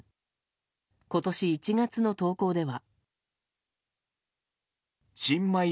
今年１月の投稿では。